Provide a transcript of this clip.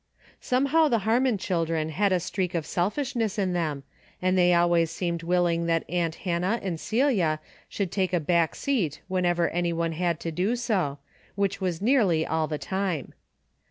Somehow the Hannon children had a streak of selfishness in them, and they always seemed willing that aunt Hannah and Celia should take a back seat whenever any one had to do so, which was nearly all the time.